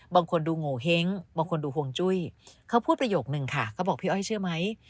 บางคนดูโงเห้งบางคนดูห่วงจุ้ยเขาพูดประโยคนึงค่ะเขาบอกพี่อ้อยเชื่อไหม